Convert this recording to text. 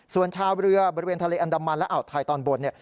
ส่วนชาวเรือบริเวณทะเลอันดามันและอ่าวไทยตอนบนเนี่ย